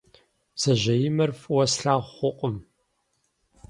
Бдзэжьеимэр фӏыуэ слъагъу хъукъым.